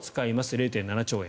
０．７兆円。